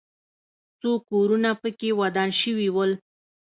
څو کورونه پکې ودان شوي ول.